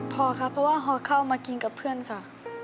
พอครับเพราะว่าพอเข้ามากินกับเพื่อนค่ะ